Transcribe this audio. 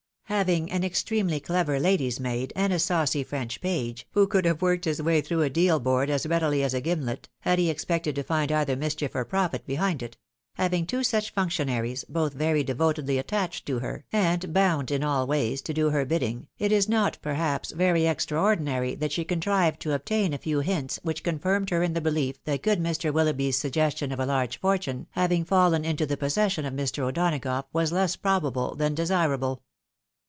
Having an extremely clever lady's maid, and a saucy French page, who could have worked his way tlirough a deal board as readily as a gimlet, had he expected to find either mischief or profit behind it, — having two such functionaries, both very devotedly attached to her, and bound in all ways to do her bidding, it is not, per haps, very extraordinary that she contrived to obtain a few hints which confirmed her in the belief that good Mr. Willoughby's suggestion of a large fortune having fallen into the possession of Mr. O'Donagough was less probable than de sirable.